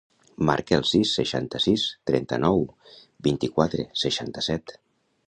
Marca el sis, seixanta-sis, trenta-nou, vint-i-quatre, seixanta-set.